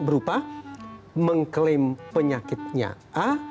berupa mengklaim penyakitnya a